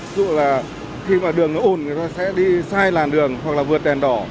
ví dụ là khi mà đường nó ồn người ta sẽ đi sai làn đường hoặc là vượt đèn đỏ